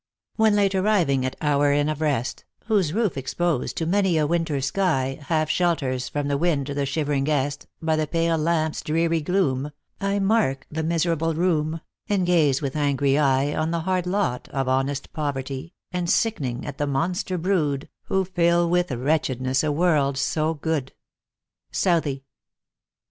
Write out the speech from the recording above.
"When late arriving at our inn of rest, Whose roof exposed to many a winter sky, Half shelters from the wind the shivering guest, By the pale lamp s dreary gloom I mark the miserable room, And gaze with angry eye On the hard lot of honest poverty, And sickening at the monster brood Who fill with wretchedness a world so good. SOUTIIEY.